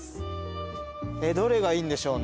どれがいいんでしょうね